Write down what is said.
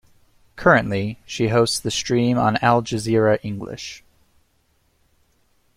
Currently, she hosts The Stream on Al Jazeera English.